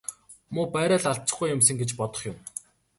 Муу байраа л алдчихгүй юмсан гэж бодох юм.